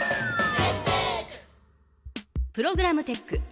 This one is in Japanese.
プログラムテック。